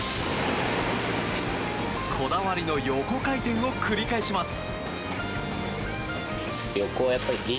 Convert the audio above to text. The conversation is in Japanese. こだわりの横回転を繰り返します。